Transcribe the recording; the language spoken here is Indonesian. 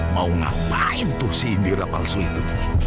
mau ngapain tuh si indira palsu itu